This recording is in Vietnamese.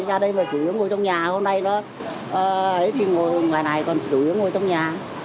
ra đây mà chủ yếu ngồi trong nhà hôm nay thì ngoài này còn chủ yếu ngồi trong nhà